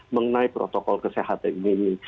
mengenai protokol kesehatan ini